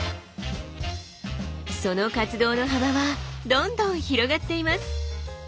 その活動の幅はどんどん広がっています。